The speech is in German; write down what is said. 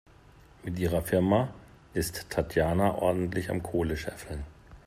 Mit ihrer Firma ist Tatjana ordentlich am Kohle scheffeln.